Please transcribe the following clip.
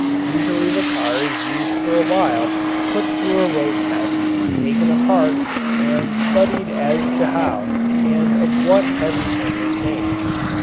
Usually the car is used for a while, put through a road test, taken apart, and studied as to how and of what everything is made.